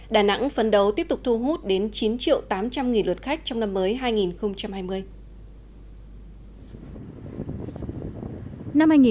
đà nẵng phấn đấu tiếp tục thu hút đến chín tám trăm linh lượt khách trong năm mới hai nghìn hai mươi